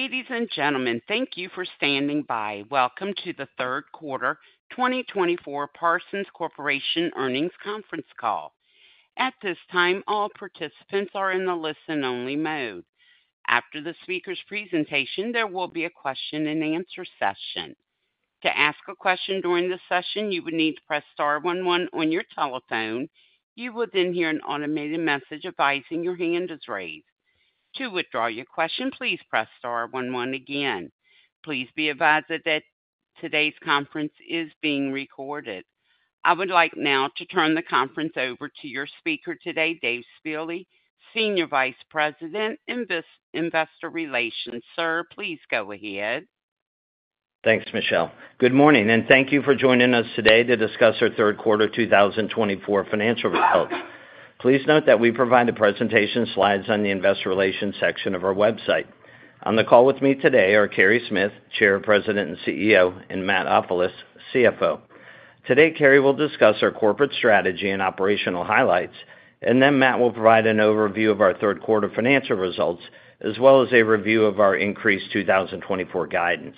Ladies and gentlemen, thank you for standing by. Welcome to the third quarter 2024 Parsons Corporation earnings conference call. At this time, all participants are in the listen-only mode. After the speaker's presentation, there will be a question-and-answer session. To ask a question during the session, you would need to press star 11 on your telephone. You will then hear an automated message advising your hand is raised. To withdraw your question, please press star 11 again. Please be advised that today's conference is being recorded. I would like now to turn the conference over to your speaker today, Dave Spille, Senior Vice President, Investor Relations. Sir, please go ahead. Thanks, Michelle. Good morning, and thank you for joining us today to discuss our third quarter 2024 financial results. Please note that we provide the presentation slides on the Investor Relations section of our website. On the call with me today are Carey Smith, Chair, President, and CEO, and Matt Ofilos, CFO. Today, Carey will discuss our corporate strategy and operational highlights, and then Matt will provide an overview of our third quarter financial results as well as a review of our increased 2024 guidance.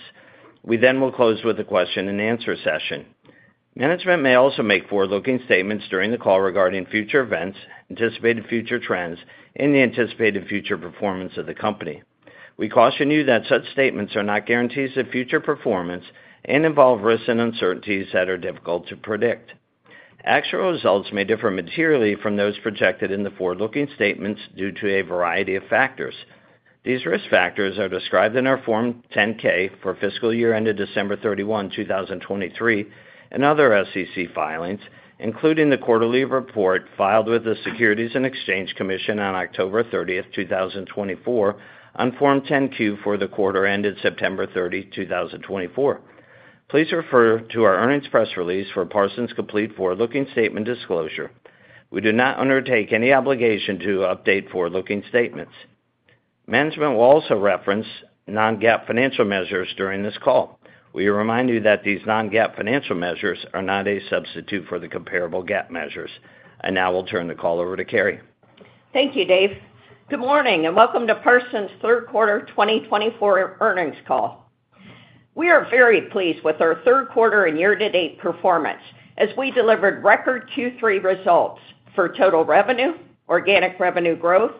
We then will close with a question-and-answer session. Management may also make forward-looking statements during the call regarding future events, anticipated future trends, and the anticipated future performance of the company. We caution you that such statements are not guarantees of future performance and involve risks and uncertainties that are difficult to predict. Actual results may differ materially from those projected in the forward-looking statements due to a variety of factors. These risk factors are described in our Form 10-K for fiscal year ended December 31, 2023, and other SEC filings, including the quarterly report filed with the Securities and Exchange Commission on October 30, 2024, on Form 10-Q for the quarter ended September 30, 2024. Please refer to our earnings press release for Parsons' complete forward-looking statement disclosure. We do not undertake any obligation to update forward-looking statements. Management will also reference non-GAAP financial measures during this call. We remind you that these non-GAAP financial measures are not a substitute for the comparable GAAP measures, and now we'll turn the call over to Carey. Thank you, Dave. Good morning and welcome to Parsons' third quarter 2024 earnings call. We are very pleased with our third quarter and year-to-date performance as we delivered record Q3 results for total revenue, organic revenue growth,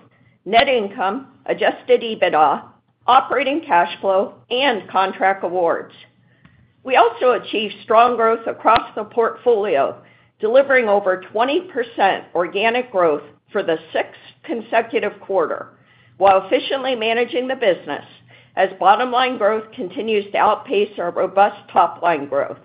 net income, adjusted EBITDA, operating cash flow, and contract awards. We also achieved strong growth across the portfolio, delivering over 20% organic growth for the sixth consecutive quarter while efficiently managing the business as bottom-line growth continues to outpace our robust top-line growth.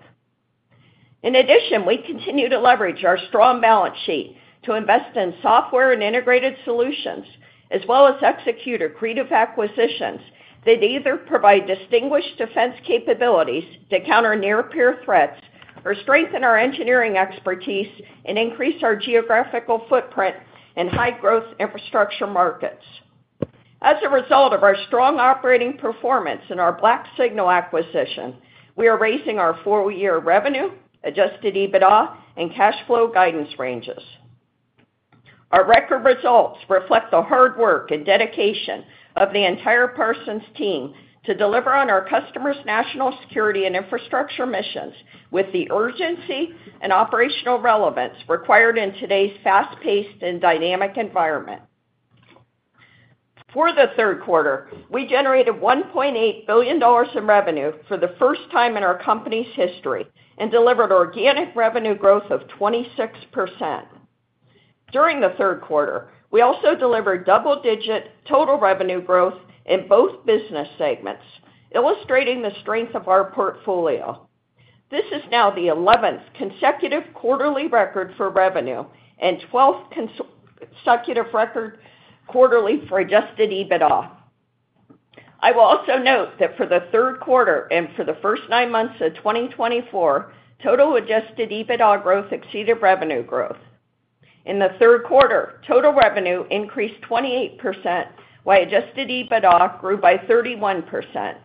In addition, we continue to leverage our strong balance sheet to invest in software and integrated solutions, as well as execute accretive acquisitions that either provide distinguished defense capabilities to counter near-peer threats or strengthen our engineering expertise and increase our geographical footprint in high-growth infrastructure markets. As a result of our strong operating performance in our BlackSignal acquisition, we are raising our full-year revenue, adjusted EBITDA, and cash flow guidance ranges. Our record results reflect the hard work and dedication of the entire Parsons team to deliver on our customers' national security and infrastructure missions with the urgency and operational relevance required in today's fast-paced and dynamic environment. For the third quarter, we generated $1.8 billion in revenue for the first time in our company's history and delivered organic revenue growth of 26%. During the third quarter, we also delivered double-digit total revenue growth in both business segments, illustrating the strength of our portfolio. This is now the 11th consecutive quarterly record for revenue and 12th consecutive record quarterly for adjusted EBITDA. I will also note that for the third quarter and for the first nine months of 2024, total adjusted EBITDA growth exceeded revenue growth. In the third quarter, total revenue increased 28% while adjusted EBITDA grew by 31%.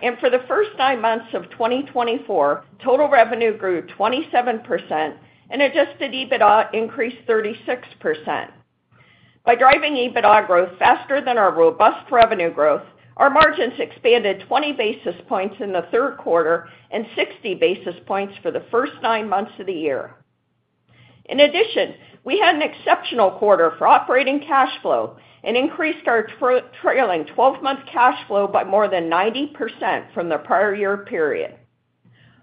And for the first nine months of 2024, total revenue grew 27% and adjusted EBITDA increased 36%. By driving EBITDA growth faster than our robust revenue growth, our margins expanded 20 basis points in the third quarter and 60 basis points for the first nine months of the year. In addition, we had an exceptional quarter for operating cash flow and increased our trailing 12-month cash flow by more than 90% from the prior year period.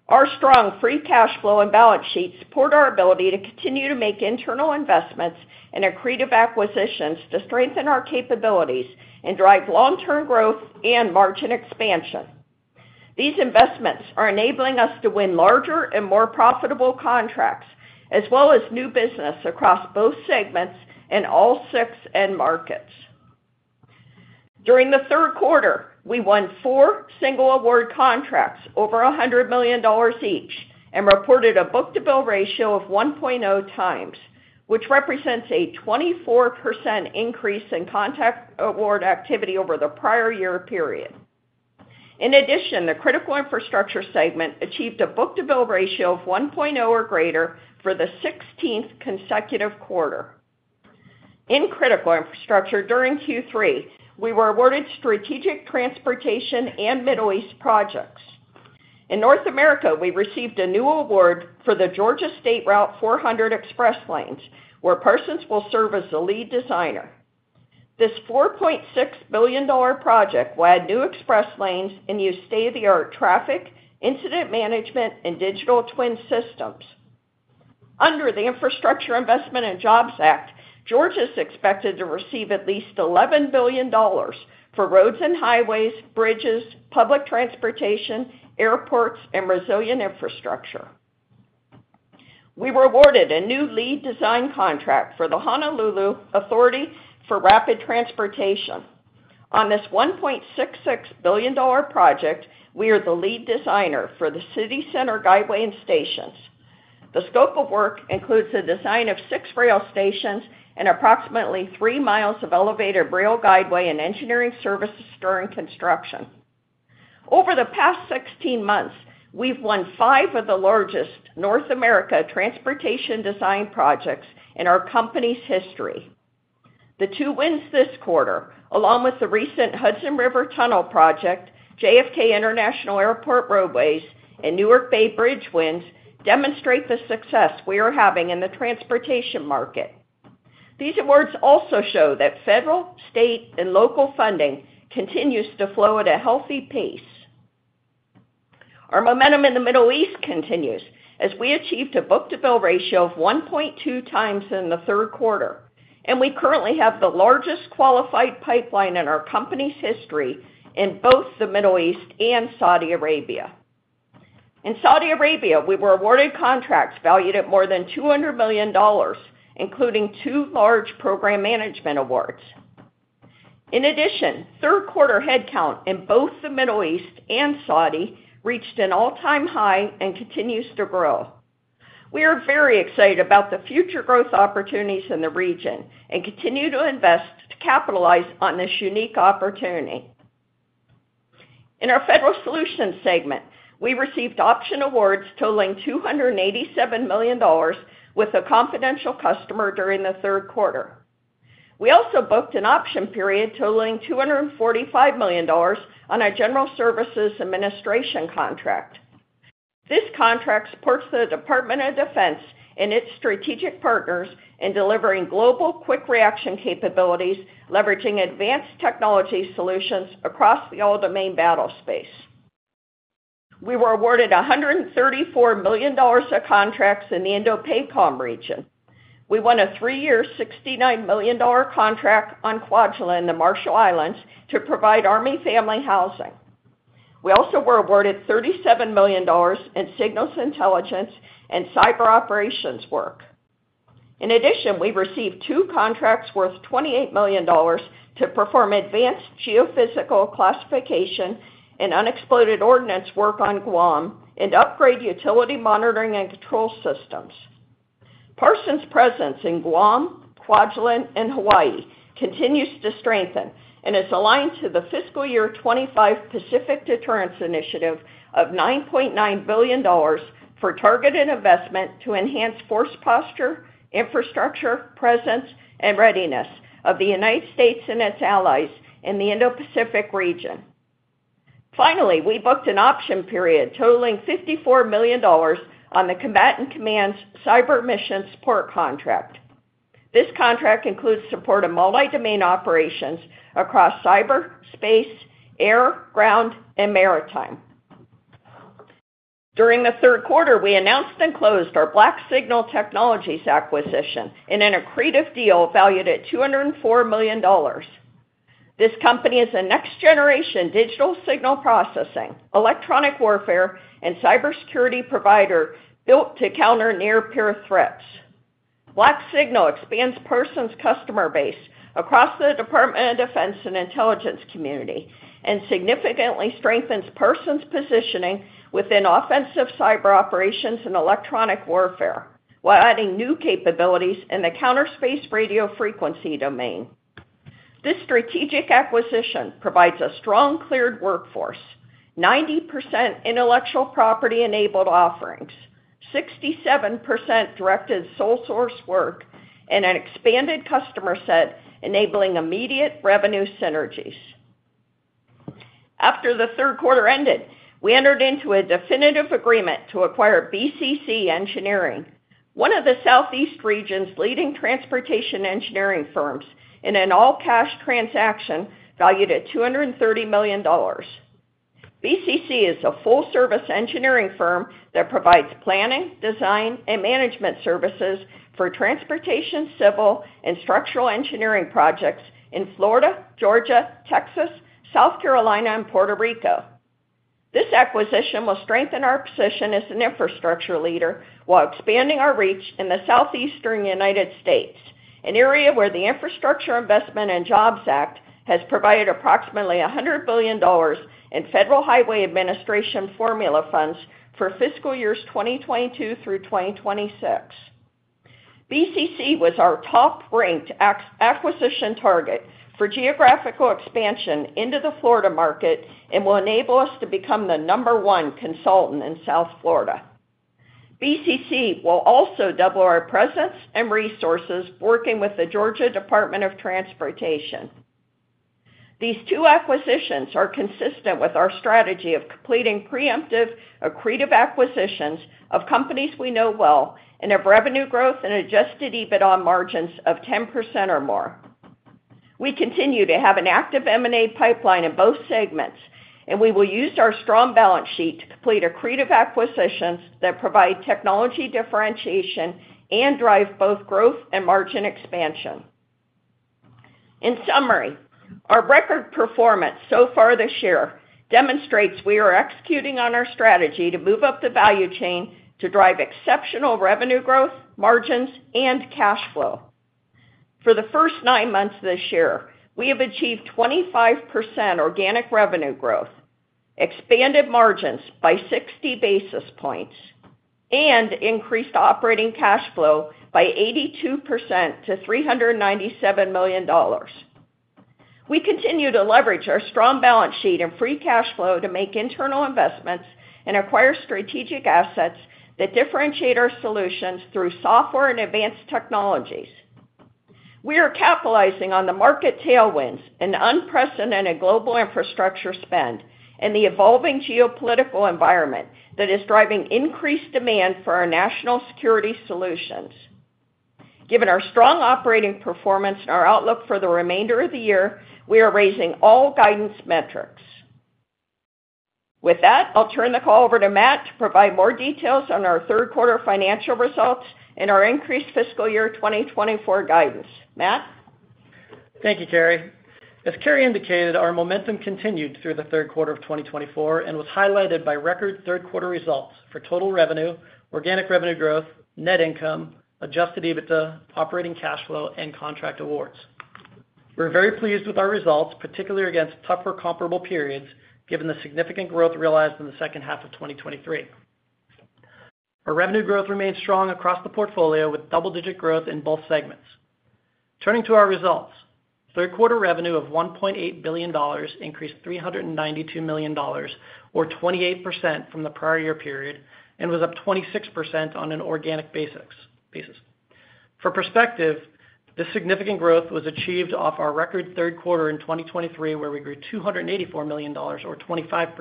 Our strong free cash flow and balance sheet support our ability to continue to make internal investments and accretive acquisitions to strengthen our capabilities and drive long-term growth and margin expansion. These investments are enabling us to win larger and more profitable contracts, as well as new business across both segments and all six end markets. During the third quarter, we won four single award contracts over $100 million each and reported a book-to-bill ratio of 1.0x, which represents a 24% increase in contract award activity over the prior year period. In addition, the critical infrastructure segment achieved a book-to-bill ratio of 1.0x or greater for the 16th consecutive quarter. In critical infrastructure during Q3, we were awarded strategic transportation and Middle East projects. In North America, we received a new award for the Georgia State Route 400 Express Lanes, where Parsons will serve as the lead designer. This $4.6 billion project will add new express lanes and use state-of-the-art traffic, incident management, and digital twin systems. Under the Infrastructure Investment and Jobs Act, Georgia is expected to receive at least $11 billion for roads and highways, bridges, public transportation, airports, and resilient infrastructure. We were awarded a new lead design contract for the Honolulu Authority for Rapid Transportation. On this $1.66 billion project, we are the lead designer for the City Center Guideway and Stations. The scope of work includes the design of six rail stations and approximately three miles of elevated rail guideway and engineering services during construction. Over the past 16 months, we've won five of the largest North America transportation design projects in our company's history. The two wins this quarter, along with the recent Hudson River Tunnel project, JFK International Airport roadways, and Newark Bay Bridge wins, demonstrate the success we are having in the transportation market. These awards also show that federal, state, and local funding continues to flow at a healthy pace. Our momentum in the Middle East continues as we achieved a book-to-bill ratio of 1.2x in the third quarter, and we currently have the largest qualified pipeline in our company's history in both the Middle East and Saudi Arabia. In Saudi Arabia, we were awarded contracts valued at more than $200 million, including two large program management awards. In addition, third quarter headcount in both the Middle East and Saudi reached an all-time high and continues to grow. We are very excited about the future growth opportunities in the region and continue to invest to capitalize on this unique opportunity. In our federal solutions segment, we received option awards totaling $287 million with a confidential customer during the third quarter. We also booked an option period totaling $245 million on a General Services Administration contract. This contract supports the Department of Defense and its strategic partners in delivering global quick reaction capabilities, leveraging advanced technology solutions across the all-domain battlespace. We were awarded $134 million of contracts in the Indo-Pacific region. We won a three-year $69 million contract on Kwajalein in the Marshall Islands to provide Army family housing. We also were awarded $37 million in signals intelligence and cyber operations work. In addition, we received two contracts worth $28 million to perform advanced geophysical classification and unexploded ordnance work on Guam and upgrade utility monitoring and control systems. Parsons' presence in Guam, Kwajalein, and Hawaii continues to strengthen and is aligned to the fiscal year 2025 Pacific Deterrence Initiative of $9.9 billion for targeted investment to enhance force posture, infrastructure presence, and readiness of the United States and its allies in the Indo-Pacific region. Finally, we booked an option period totaling $54 million on the combatant command's cyber mission support contract. This contract includes support of multi-domain operations across cyber, space, air, ground, and maritime. During the third quarter, we announced and closed our BlackSignal Technologies acquisition in an accretive deal valued at $204 million. This company is a next-generation digital signal processing, electronic warfare, and cybersecurity provider built to counter near-peer threats. BlackSignal expands Parsons' customer base across the Department of Defense and intelligence community and significantly strengthens Parsons' positioning within offensive cyber operations and electronic warfare while adding new capabilities in the counterspace radio frequency domain. This strategic acquisition provides a strong cleared workforce, 90% intellectual property-enabled offerings, 67% directed sole-source work, and an expanded customer set enabling immediate revenue synergies. After the third quarter ended, we entered into a definitive agreement to acquire BCC Engineering, one of the Southeast region's leading transportation engineering firms, in an all-cash transaction valued at $230 million. BCC is a full-service engineering firm that provides planning, design, and management services for transportation, civil, and structural engineering projects in Florida, Georgia, Texas, South Carolina, and Puerto Rico. This acquisition will strengthen our position as an infrastructure leader while expanding our reach in the southeastern United States, an area where the Infrastructure Investment and Jobs Act has provided approximately $100 billion in Federal Highway Administration formula funds for fiscal years 2022 through 2026. BCC was our top-ranked acquisition target for geographical expansion into the Florida market and will enable us to become the number one consultant in South Florida. BCC will also double our presence and resources working with the Georgia Department of Transportation. These two acquisitions are consistent with our strategy of completing preemptive accretive acquisitions of companies we know well and have revenue growth and adjusted EBITDA margins of 10% or more. We continue to have an active M&A pipeline in both segments, and we will use our strong balance sheet to complete accretive acquisitions that provide technology differentiation and drive both growth and margin expansion. In summary, our record performance so far this year demonstrates we are executing on our strategy to move up the value chain to drive exceptional revenue growth, margins, and cash flow. For the first nine months of this year, we have achieved 25% organic revenue growth, expanded margins by 60 basis points, and increased operating cash flow by 82% to $397 million. We continue to leverage our strong balance sheet and free cash flow to make internal investments and acquire strategic assets that differentiate our solutions through software and advanced technologies. We are capitalizing on the market tailwinds and unprecedented global infrastructure spend and the evolving geopolitical environment that is driving increased demand for our national security solutions. Given our strong operating performance and our outlook for the remainder of the year, we are raising all guidance metrics. With that, I'll turn the call over to Matt to provide more details on our third quarter financial results and our increased fiscal year 2024 guidance. Matt. Thank you, Carey. As Carey indicated, our momentum continued through the third quarter of 2024 and was highlighted by record third quarter results for total revenue, organic revenue growth, net income, adjusted EBITDA, operating cash flow, and contract awards. We're very pleased with our results, particularly against tougher comparable periods given the significant growth realized in the second half of 2023. Our revenue growth remains strong across the portfolio with double-digit growth in both segments. Turning to our results, third quarter revenue of $1.8 billion increased $392 million, or 28% from the prior year period, and was up 26% on an organic basis. For perspective, this significant growth was achieved off our record third quarter in 2023, where we grew $284 million, or 25%.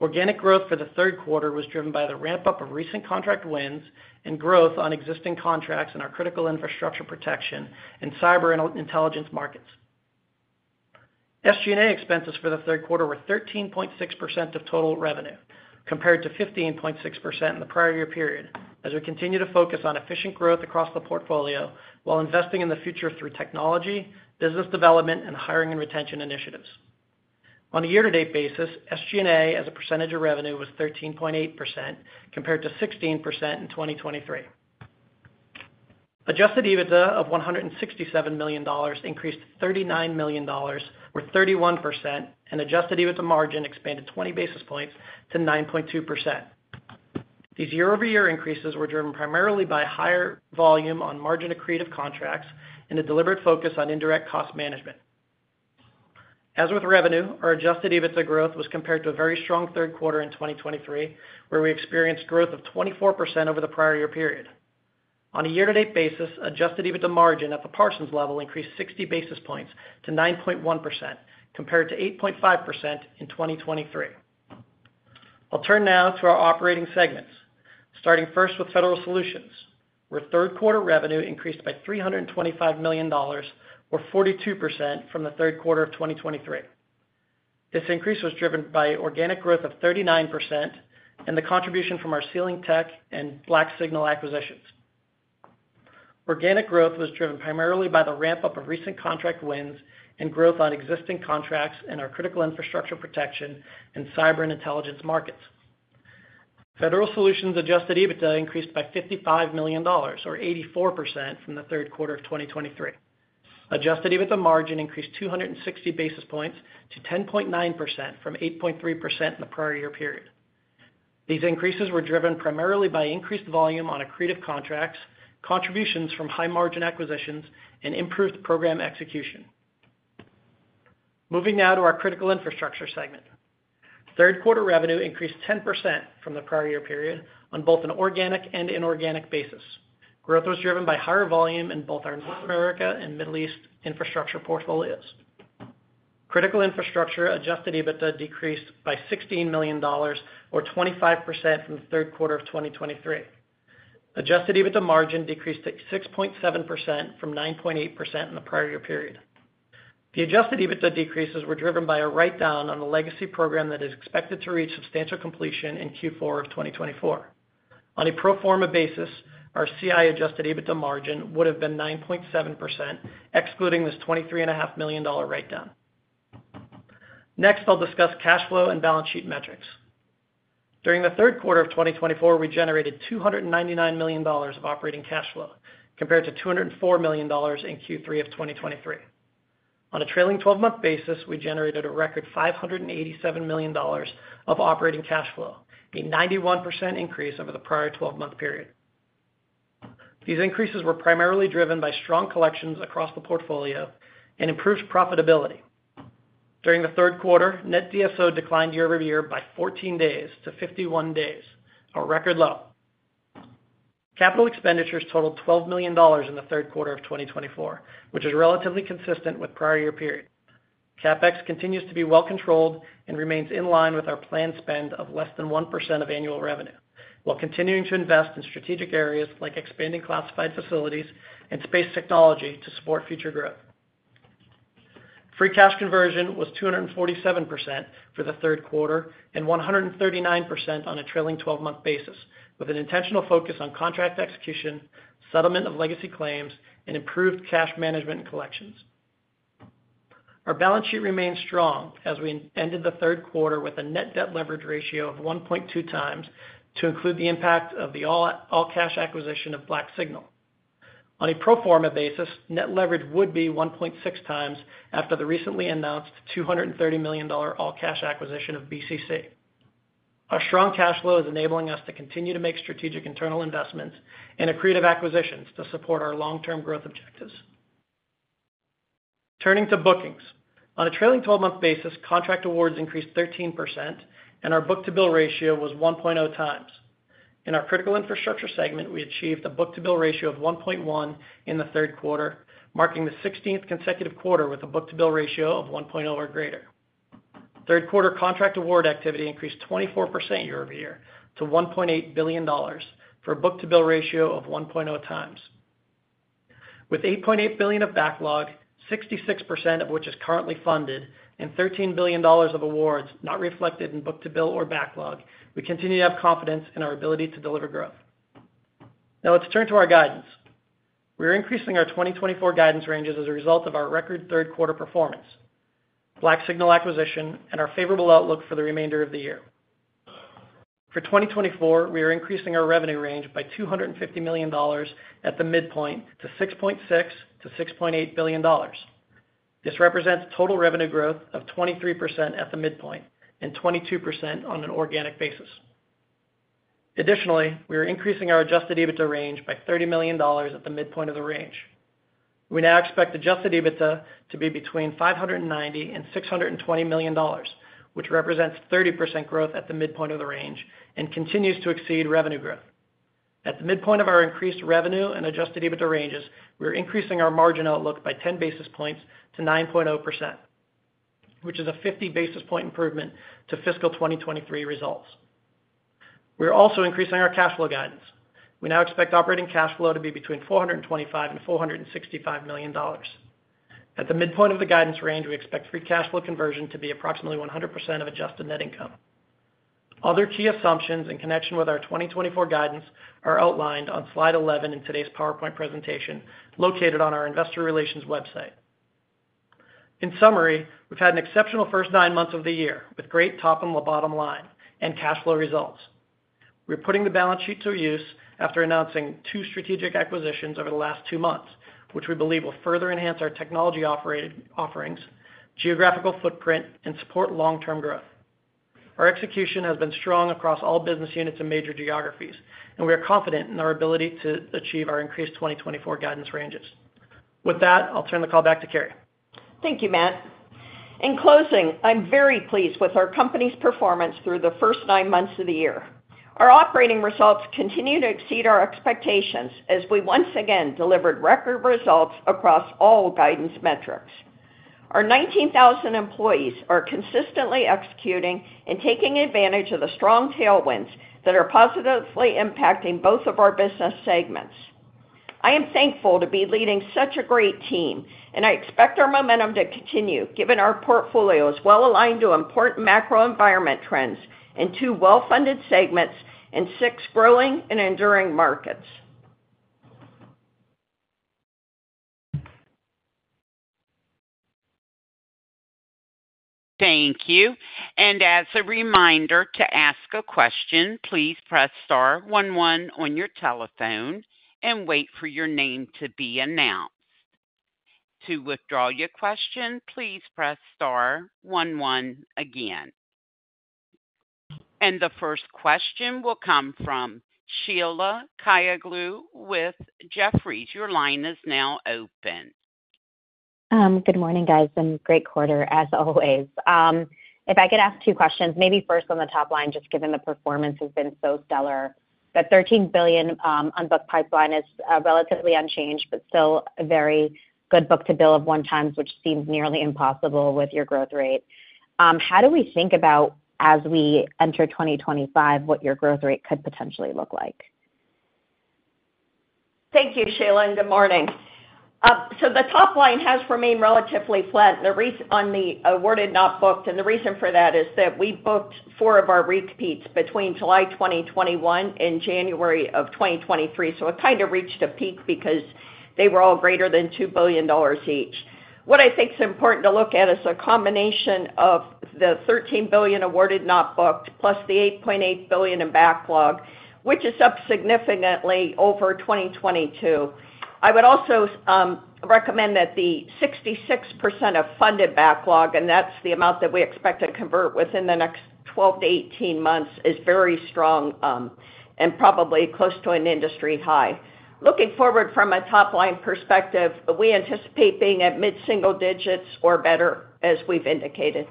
Organic growth for the third quarter was driven by the ramp-up of recent contract wins and growth on existing contracts in our critical infrastructure protection and cyber intelligence markets. SG&A expenses for the third quarter were 13.6% of total revenue, compared to 15.6% in the prior year period, as we continue to focus on efficient growth across the portfolio while investing in the future through technology, business development, and hiring and retention initiatives. On a year-to-date basis, SG&A as a percentage of revenue was 13.8%, compared to 16% in 2023. Adjusted EBITDA of $167 million increased $39 million, or 31%, and adjusted EBITDA margin expanded 20 basis points to 9.2%. These year-over-year increases were driven primarily by higher volume on margin accretive contracts and a deliberate focus on indirect cost management. As with revenue, our adjusted EBITDA growth was compared to a very strong third quarter in 2023, where we experienced growth of 24% over the prior year period. On a year-to-date basis, adjusted EBITDA margin at the Parsons level increased 60 basis points to 9.1%, compared to 8.5% in 2023. I'll turn now to our operating segments, starting first with federal solutions, where third quarter revenue increased by $325 million, or 42% from the third quarter of 2023. This increase was driven by organic growth of 39% and the contribution from our Sealing Technologies and BlackSignal acquisitions. Organic growth was driven primarily by the ramp-up of recent contract wins and growth on existing contracts and our critical infrastructure protection and cyber and intelligence markets. Federal Solutions' adjusted EBITDA increased by $55 million, or 84%, from the third quarter of 2023. Adjusted EBITDA margin increased 260 basis points to 10.9% from 8.3% in the prior year period. These increases were driven primarily by increased volume on accretive contracts, contributions from high-margin acquisitions, and improved program execution. Moving now to our critical infrastructure segment. Third quarter revenue increased 10% from the prior year period on both an organic and inorganic basis. Growth was driven by higher volume in both our North America and Middle East infrastructure portfolios. Critical infrastructure adjusted EBITDA decreased by $16 million, or 25%, from the third quarter of 2023. Adjusted EBITDA margin decreased to 6.7% from 9.8% in the prior year period. The adjusted EBITDA decreases were driven by a write-down on the legacy program that is expected to reach substantial completion in Q4 of 2024. On a pro forma basis, our CI adjusted EBITDA margin would have been 9.7%, excluding this $23.5 million write-down. Next, I'll discuss cash flow and balance sheet metrics. During the third quarter of 2024, we generated $299 million of operating cash flow, compared to $204 million in Q3 of 2023. On a trailing 12-month basis, we generated a record $587 million of operating cash flow, a 91% increase over the prior 12-month period. These increases were primarily driven by strong collections across the portfolio and improved profitability. During the third quarter, net DSO declined year-over-year by 14 days to 51 days, a record low. Capital expenditures totaled $12 million in the third quarter of 2024, which is relatively consistent with prior year period. CapEx continues to be well controlled and remains in line with our planned spend of less than 1% of annual revenue, while continuing to invest in strategic areas like expanding classified facilities and space technology to support future growth. Free cash conversion was 247% for the third quarter and 139% on a trailing 12-month basis, with an intentional focus on contract execution, settlement of legacy claims, and improved cash management collections. Our balance sheet remains strong as we ended the third quarter with a net debt leverage ratio of 1.2x, to include the impact of the all-cash acquisition of BlackSignal. On a pro forma basis, net leverage would be 1.6x after the recently announced $230 million all-cash acquisition of BCC. Our strong cash flow is enabling us to continue to make strategic internal investments and accretive acquisitions to support our long-term growth objectives. Turning to bookings, on a trailing 12-month basis, contract awards increased 13%, and our book-to-bill ratio was 1.0x. In our critical infrastructure segment, we achieved a book-to-bill ratio of 1.1x in the third quarter, marking the 16th consecutive quarter with a book-to-bill ratio of 1.0x or greater. Third quarter contract award activity increased 24% year-over-year to $1.8 billion for a book-to-bill ratio of 1.0x. With $8.8 billion of backlog, 66% of which is currently funded, and $13 billion of awards not reflected in book-to-bill or backlog, we continue to have confidence in our ability to deliver growth. Now, let's turn to our guidance. We are increasing our 2024 guidance ranges as a result of our record third quarter performance, BlackSignal acquisition, and our favorable outlook for the remainder of the year. For 2024, we are increasing our revenue range by $250 million at the midpoint to $6.6 billion-$6.8 billion. This represents total revenue growth of 23% at the midpoint and 22% on an organic basis. Additionally, we are increasing our adjusted EBITDA range by $30 million at the midpoint of the range. We now expect adjusted EBITDA to be between $590 million and $620 million, which represents 30% growth at the midpoint of the range and continues to exceed revenue growth. At the midpoint of our increased revenue and adjusted EBITDA ranges, we are increasing our margin outlook by 10 basis points to 9.0%, which is a 50 basis point improvement to fiscal 2023 results. We are also increasing our cash flow guidance. We now expect operating cash flow to be between $425 million and $465 million. At the midpoint of the guidance range, we expect free cash flow conversion to be approximately 100% of adjusted net income. Other key assumptions in connection with our 2024 guidance are outlined on slide 11 in today's PowerPoint presentation located on our investor relations website. In summary, we've had an exceptional first nine months of the year with great top and bottom line and cash flow results. We're putting the balance sheet to use after announcing two strategic acquisitions over the last two months, which we believe will further enhance our technology offerings, geographical footprint, and support long-term growth. Our execution has been strong across all business units and major geographies, and we are confident in our ability to achieve our increased 2024 guidance ranges. With that, I'll turn the call back to Carey. Thank you, Matt. In closing, I'm very pleased with our company's performance through the first nine months of the year. Our operating results continue to exceed our expectations as we once again delivered record results across all guidance metrics. Our 19,000 employees are consistently executing and taking advantage of the strong tailwinds that are positively impacting both of our business segments. I am thankful to be leading such a great team, and I expect our momentum to continue given our portfolio is well aligned to important macro environment trends in two well-funded segments and six growing and enduring markets. Thank you. And as a reminder to ask a question, please press star 11 on your telephone and wait for your name to be announced. To withdraw your question, please press star 11 again. And the first question will come from Sheila Kahyaoglu with Jefferies. Your line is now open. Good morning, guys. Great quarter, as always. If I could ask two questions, maybe first on the top line, just given the performance has been so stellar, that $13 billion unbooked pipeline is relatively unchanged, but still a very good book-to-bill of 1x, which seems nearly impossible with your growth rate. How do we think about, as we enter 2025, what your growth rate could potentially look like? Thank you, Sheila. Good morning. The top line has remained relatively flat on the awarded, not booked. The reason for that is that we booked four of our repeats between July 2021 and January of 2023. It kind of reached a peak because they were all greater than $2 billion each. What I think is important to look at is a combination of the $13 billion awarded, not booked, plus the $8.8 billion in backlog, which is up significantly over 2022. I would also recommend that the 66% of funded backlog, and that's the amount that we expect to convert within the next 12 to 18 months, is very strong and probably close to an industry high. Looking forward from a top-line perspective, we anticipate being at mid-single digits or better, as we've indicated.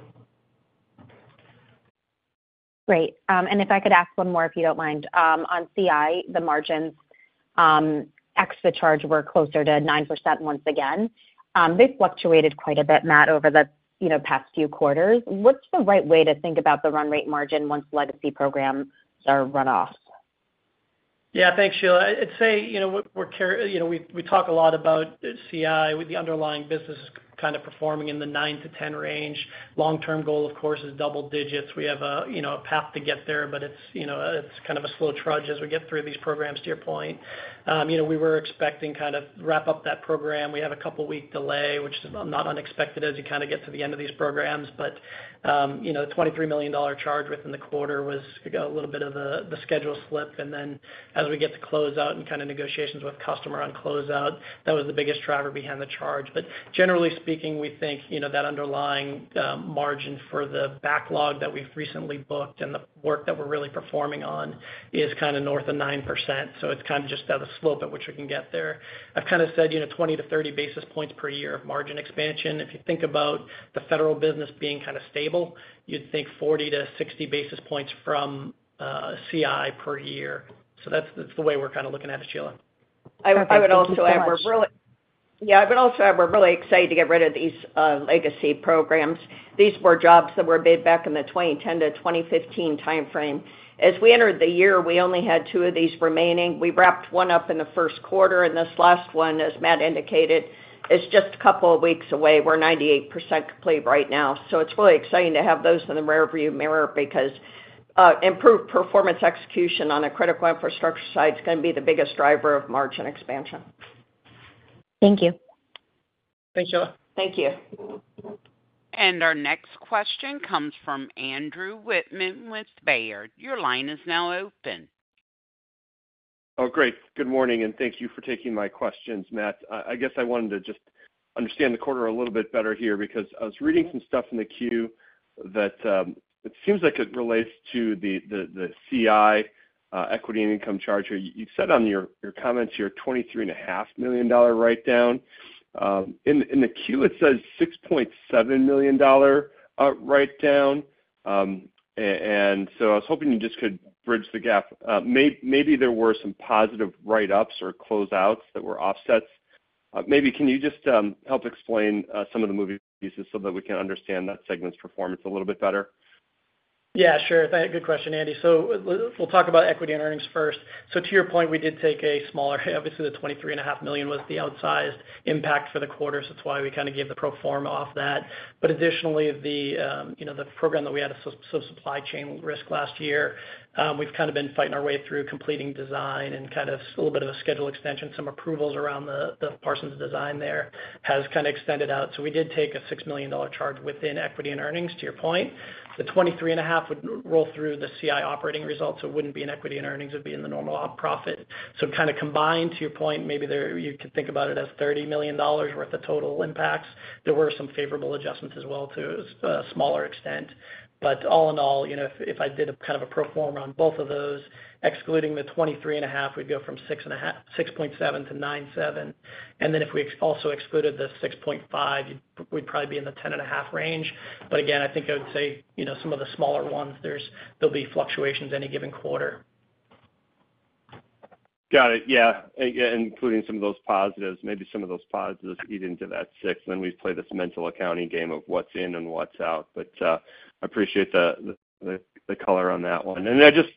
Great. And if I could ask one more, if you don't mind, on CI, the margins extra charge were closer to 9% once again. They fluctuated quite a bit, Matt, over the past few quarters. What's the right way to think about the run rate margin once legacy programs are run off? Yeah, thanks, Sheila. I'd say we talk a lot about CI, the underlying business kind of performing in the 9%-10% range. Long-term goal, of course, is double digits. We have a path to get there, but it's kind of a slow trudge as we get through these programs, to your point. We were expecting kind of wrap up that program. We have a couple-week delay, which is not unexpected as you kind of get to the end of these programs. But the $23 million charge within the quarter was a little bit of the schedule slip. And then as we get to close out and kind of negotiations with customer on closeout, that was the biggest driver behind the charge. But generally speaking, we think that underlying margin for the backlog that we've recently booked and the work that we're really performing on is kind of north of 9%. So it's kind of just at a slope at which we can get there. I've kind of said 20 to 30 basis points per year of margin expansion. If you think about the federal business being kind of stable, you'd think 40 to 60 basis points from CI per year. So that's the way we're kind of looking at it, Sheila. I would also add we're really excited to get rid of these legacy programs. These were jobs that were made back in the 2010 to 2015 timeframe. As we entered the year, we only had two of these remaining. We wrapped one up in the first quarter. And this last one, as Matt indicated, is just a couple of weeks away. We're 98% complete right now. So it's really exciting to have those in the rearview mirror because improved performance execution on the critical infrastructure side is going to be the biggest driver of margin expansion. Thank you. Thank you. And our next question comes from Andrew Wittmann with Baird. Your line is now open. Oh, great. Good morning. And thank you for taking my questions, Matt. I guess I wanted to just understand the quarter a little bit better here because I was reading some stuff in the Q that it seems like it relates to the CI equity and income charge here. You said on your comments your $23.5 million write-down. In the Q, it says $6.7 million write-down. And so I was hoping you just could bridge the gap. Maybe there were some positive write-ups or closeouts that were offsets. Maybe can you just help explain some of the moving pieces so that we can understand that segment's performance a little bit better? Yeah, sure. Good question, Andy. So we'll talk about equity and earnings first. So to your point, we did take a smaller hit - obviously, the $23.5 million was the outsized impact for the quarter. So that's why we kind of gave the pro forma off that. But additionally, the program that we had a subsupply chain risk last year, we've kind of been fighting our way through completing design and kind of a little bit of a schedule extension. Some approvals around the Parsons design there has kind of extended out. So we did take a $6 million charge within equity and earnings, to your point. The $23.5 million would roll through the CI operating results. It wouldn't be in equity and earnings. It would be in the normal profit, so kind of combined, to your point, maybe you could think about it as $30 million worth of total impacts. There were some favorable adjustments as well to a smaller extent, but all in all, if I did kind of a pro forma on both of those, excluding the $23.5 million, we'd go from 6.7 to 9.7, and then if we also excluded the 6.5, we'd probably be in the 10.5 range, but again, I think I would say some of the smaller ones, there'll be fluctuations any given quarter. Got it. Yeah, and including some of those positives, maybe some of those positives eat into that 6, and then we play this mental accounting game of what's in and what's out, but I appreciate the color on that one, and just,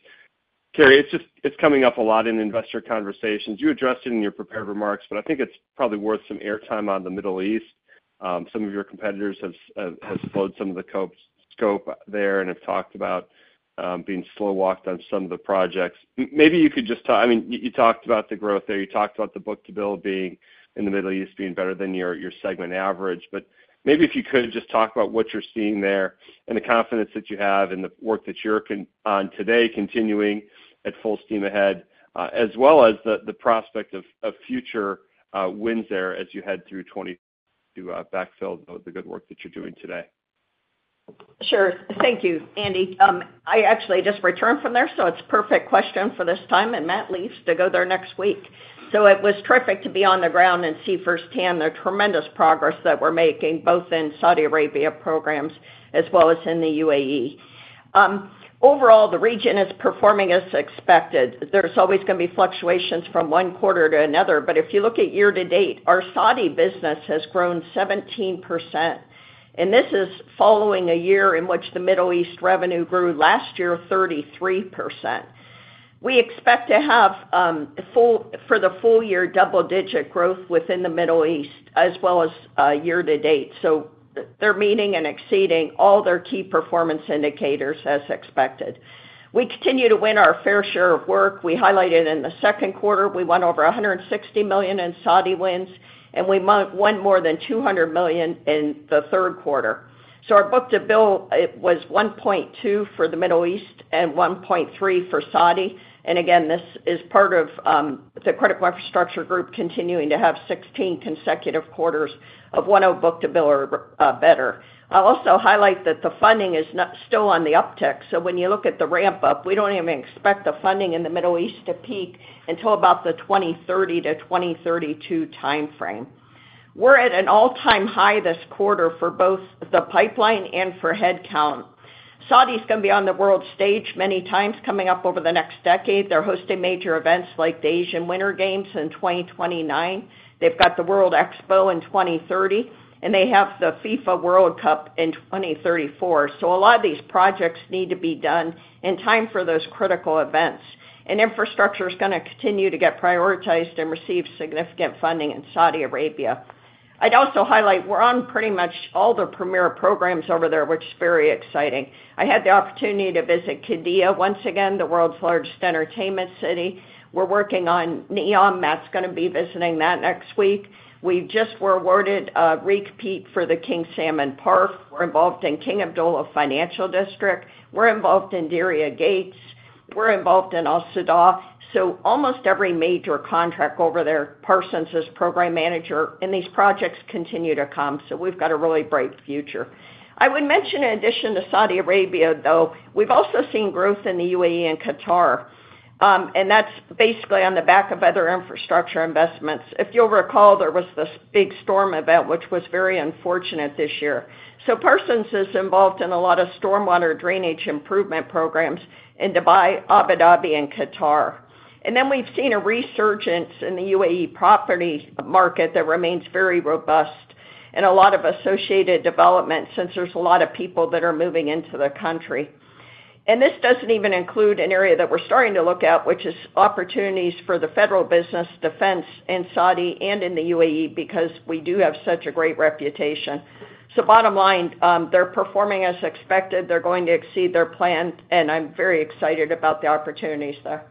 Carey, it's coming up a lot in investor conversations. You addressed it in your prepared remarks, but I think it's probably worth some airtime on the Middle East. Some of your competitors have explored some of the scope there and have talked about being slow-walked on some of the projects. Maybe you could just, I mean, you talked about the growth there. You talked about the book-to-bill being in the Middle East being better than your segment average. But maybe if you could just talk about what you're seeing there and the confidence that you have and the work that you're on today continuing at full steam ahead, as well as the prospect of future wins there as you head through 2022 to backfill the good work that you're doing today. Sure. Thank you, Andy. I actually just returned from there, so it's a perfect question for this time and Matt leaves to go there next week. So it was terrific to be on the ground and see firsthand the tremendous progress that we're making, both in Saudi Arabia programs as well as in the UAE. Overall, the region is performing as expected. There's always going to be fluctuations from one quarter to another. But if you look at year to date, our Saudi business has grown 17%. And this is following a year in which the Middle East revenue grew last year 33%. We expect to have for the full year double-digit growth within the Middle East as well as year to date. So they're meeting and exceeding all their key performance indicators as expected. We continue to win our fair share of work. We highlighted in the second quarter, we won over $160 million in Saudi wins, and we won more than $200 million in the third quarter. So our book-to-bill was 1.2x for the Middle East and 1.3x for Saudi. And again, this is part of the critical infrastructure group continuing to have 16 consecutive quarters of one book-to-bill or better. I'll also highlight that the funding is still on the uptick. So when you look at the ramp-up, we don't even expect the funding in the Middle East to peak until about the 2030-2032 timeframe. We're at an all-time high this quarter for both the pipeline and for headcount. Saudi is going to be on the world stage many times coming up over the next decade. They're hosting major events like the Asian Winter Games in 2029. They've got the World Expo in 2030, and they have the FIFA World Cup in 2034. So a lot of these projects need to be done in time for those critical events. Infrastructure is going to continue to get prioritized and receive significant funding in Saudi Arabia. I'd also highlight we're on pretty much all the premier programs over there, which is very exciting. I had the opportunity to visit Qiddiya once again, the world's largest entertainment city. We're working on NEOM. Matt's going to be visiting that next week. We just were awarded a repeat for the King Salman Park. We're involved in King Abdullah Financial District. We're involved in Diriyah Gate. We're involved in Al Soudah. Almost every major contract over there, Parsons is program manager, and these projects continue to come. We've got a really bright future. I would mention, in addition to Saudi Arabia, though, we've also seen growth in the UAE and Qatar. That's basically on the back of other infrastructure investments. If you'll recall, there was this big storm event, which was very unfortunate this year, so Parsons is involved in a lot of stormwater drainage improvement programs in Dubai, Abu Dhabi, and Qatar, and then we've seen a resurgence in the UAE property market that remains very robust and a lot of associated development since there's a lot of people that are moving into the country. And this doesn't even include an area that we're starting to look at, which is opportunities for the federal business defense in Saudi and in the UAE because we do have such a great reputation. So bottom line, they're performing as expected. They're going to exceed their plan. And I'm very excited about the opportunities there.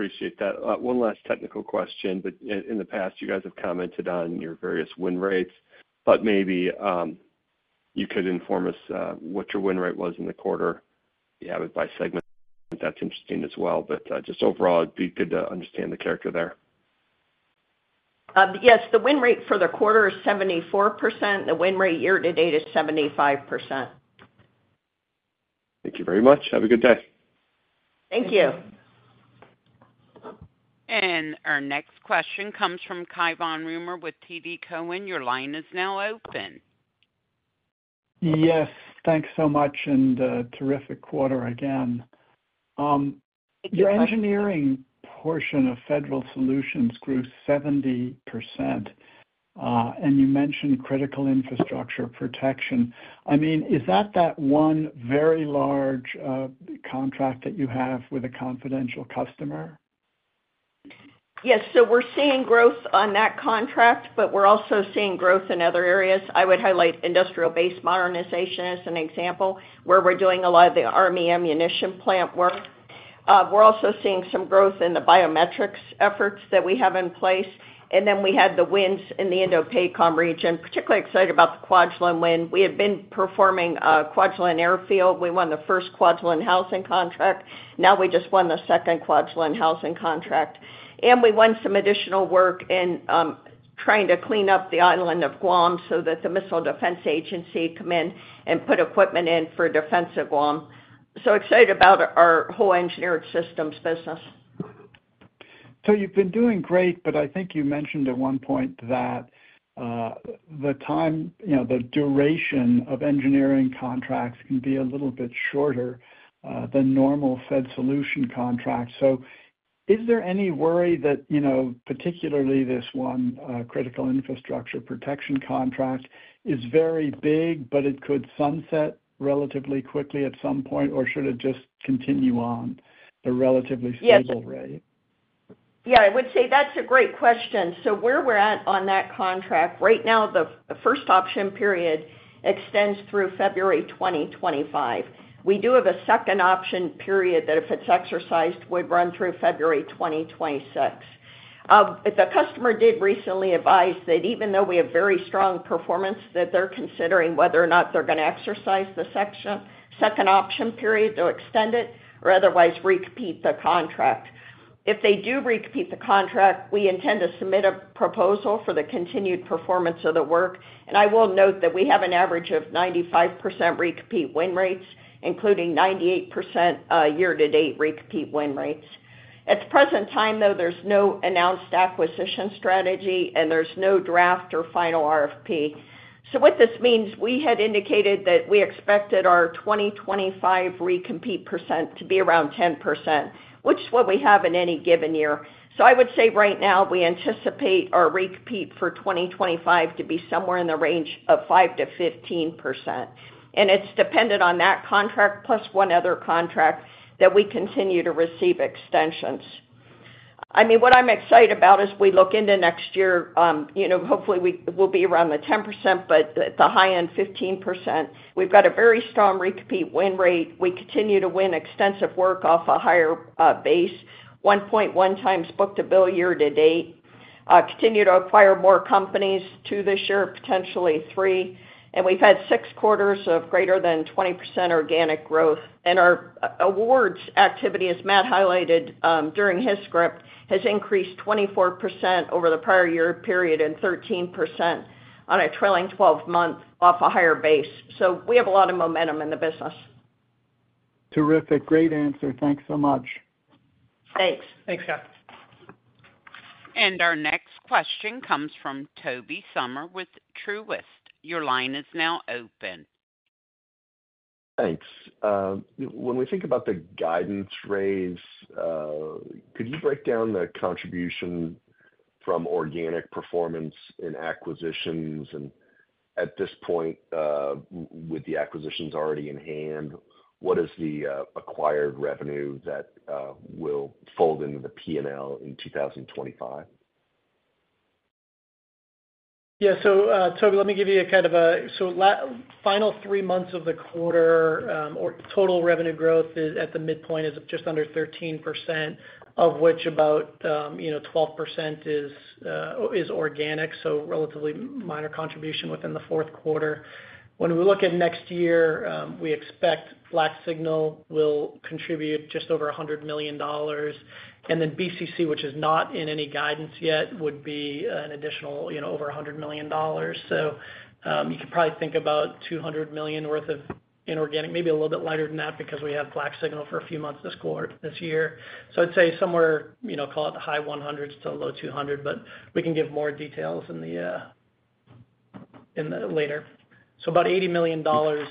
Appreciate that. One last technical question, but in the past, you guys have commented on your various win rates. But maybe you could inform us what your win rate was in the quarter, by segment. That's interesting as well. But just overall, it'd be good to understand the character there. Yes. The win rate for the quarter is 74%. The win rate year to date is 75%. Thank you very much. Have a good day. Thank you. And our next question comes from Cai von Rumohr with TD Cowen. Your line is now open. Yes. Thanks so much. And terrific quarter again. Your engineering portion of Federal Solutions grew 70%. And you mentioned critical infrastructure protection. I mean, is that that one very large contract that you have with a confidential customer? Yes. So we're seeing growth on that contract, but we're also seeing growth in other areas. I would highlight industrial base modernization as an example, where we're doing a lot of the Army ammunition plant work. We're also seeing some growth in the biometrics efforts that we have in place. And then we had the wins in the Indo-Pacific region. Particularly excited about the Kwajalein win. We had been performing Kwajalein Airfield. We won the first Kwajalein housing contract. Now we just won the second Kwajalein housing contract. And we won some additional work in trying to clean up the island of Guam so that the Missile Defense Agency can come in and put equipment in for defense of Guam. So excited about our whole engineered systems business. So you've been doing great, but I think you mentioned at one point that the duration of engineering contracts can be a little bit shorter than normal federal solutions contracts. So is there any worry that particularly this one critical infrastructure protection contract is very big, but it could sunset relatively quickly at some point, or should it just continue on at a relatively stable rate? Yeah. I would say that's a great question. So where we're at on that contract, right now, the first option period extends through February 2025. We do have a second option period that if it's exercised, would run through February 2026. The customer did recently advise that even though we have very strong performance, that they're considering whether or not they're going to exercise the second option period to extend it or otherwise repeat the contract. If they do repeat the contract, we intend to submit a proposal for the continued performance of the work. And I will note that we have an average of 95% repeat win rates, including 98% year to date repeat win rates. At the present time, though, there's no announced acquisition strategy, and there's no draft or final RFP. So what this means, we had indicated that we expected our 2025 recompetition percent to be around 10%, which is what we have in any given year. So I would say right now, we anticipate our recompetition for 2025 to be somewhere in the range of 5%-15%. And it's dependent on that contract plus one other contract that we continue to receive extensions. I mean, what I'm excited about as we look into next year, hopefully, we'll be around the 10%, but at the high end, 15%. We've got a very strong recompetition win rate. We continue to win extensive work off a higher base, 1.1x book-to-bill year to date. Continue to acquire more companies to this year, potentially three. And we've had six quarters of greater than 20% organic growth. And our awards activity, as Matt highlighted during his script, has increased 24% over the prior year period and 13% on a trailing 12 months off a higher base. So we have a lot of momentum in the business. Terrific. Great answer. Thanks so much. Thanks. Thanks, Cai. And our next question comes from Tobey Sommer with Truist. Your line is now open. Thanks. When we think about the guidance raise, could you break down the contribution from organic performance in acquisitions? And at this point, with the acquisitions already in hand, what is the acquired revenue that will fold into the P&L in 2025? Yeah. Tobey, let me give you kind of a final three months of the quarter, or total revenue growth at the midpoint is just under 13%, of which about 12% is organic, so relatively minor contribution within the fourth quarter. When we look at next year, we expect BlackSignal will contribute just over $100 million. And then BCC, which is not in any guidance yet, would be an additional over $100 million. So you could probably think about $200 million worth of inorganic, maybe a little bit lighter than that because we have BlackSignal for a few months this year. So I'd say somewhere call it the high 100s to low 200, but we can give more details later. So about $80 million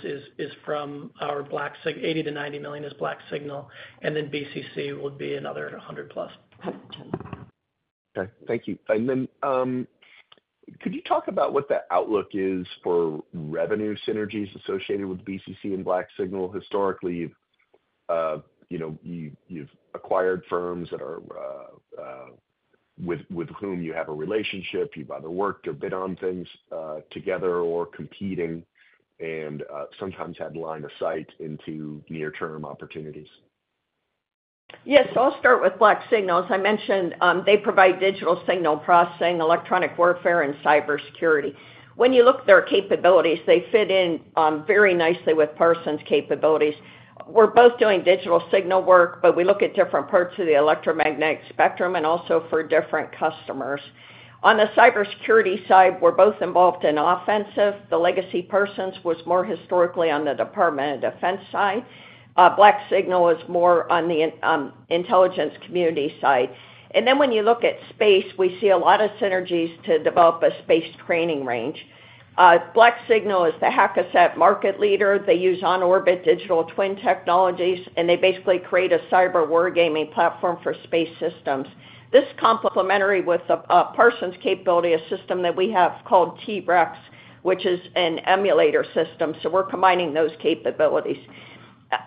is from our BlackSignal, $80 million-$90 million is BlackSignal. And then BCC will be another $100 million plus. Okay. Thank you. And then could you talk about what the outlook is for revenue synergies associated with BCC and BlackSignal? Historically, you've acquired firms with whom you have a relationship. You've either worked or bid on things together or competing and sometimes had line of sight into near-term opportunities. Yes. I'll start with BlackSignal. As I mentioned, they provide digital signal processing, electronic warfare, and cybersecurity. When you look at their capabilities, they fit in very nicely with Parsons' capabilities. We're both doing digital signal work, but we look at different parts of the electromagnetic spectrum and also for different customers. On the cybersecurity side, we're both involved in offensive. The legacy Parsons was more historically on the Department of Defense side. BlackSignal is more on the intelligence community side. And then when you look at space, we see a lot of synergies to develop a space training range. BlackSignal is the Hack-A-Sat market leader. They use on-orbit digital twin technologies, and they basically create a cyber wargaming platform for space systems. This complements Parsons' capability, a system that we have called T-REX, which is an emulator system. So we're combining those capabilities.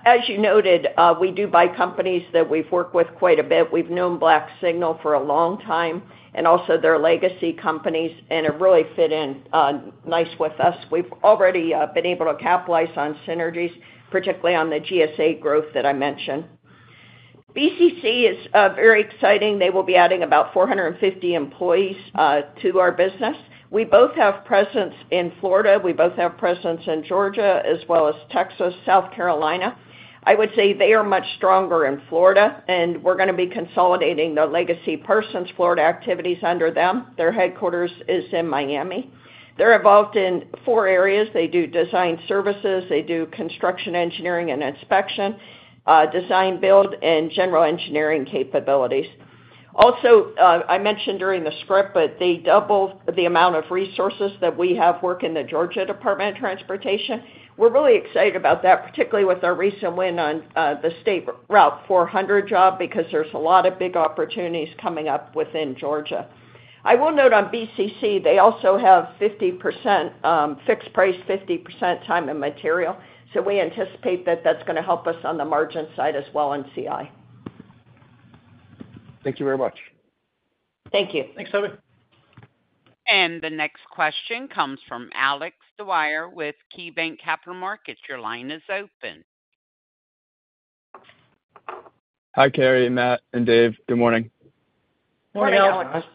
As you noted, we do buy companies that we've worked with quite a bit. We've known BlackSignal for a long time and also their legacy companies, and it really fit in nice with us. We've already been able to capitalize on synergies, particularly on the GSA growth that I mentioned. BCC is very exciting. They will be adding about 450 employees to our business. We both have presence in Florida. We both have presence in Georgia as well as Texas, South Carolina. I would say they are much stronger in Florida, and we're going to be consolidating the legacy Parsons Florida activities under them. Their headquarters is in Miami. They're involved in four areas. They do design services. They do construction engineering and inspection, design-build, and general engineering capabilities. Also, I mentioned during the script, but they doubled the amount of resources that we have working in the Georgia Department of Transportation. We're really excited about that, particularly with our recent win on the State Route 400 job because there's a lot of big opportunities coming up within Georgia. I will note on BCC, they also have 50% fixed price, 50% time and material. So we anticipate that that's going to help us on the margin side as well in CI. Thank you very much. Thank you. Thanks, Tobey. And the next question comes from Alex Dwyer with KeyBanc Capital Markets. Your line is open. Hi, Carey, Matt, and Dave. Good morning. Morning, Alex.